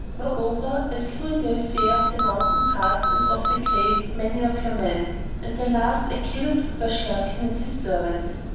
Moreover, I slew, in the affair of the mountain pass and of the cave, many of your men; and the last I killed were Sharrkan and his servants.